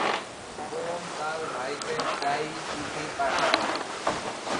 বোন তার ভাইকে প্রায়ই চিঠি পাঠায়।